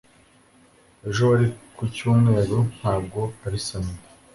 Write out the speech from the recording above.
Ejo wari ku cyumweru ntabwo ari samedi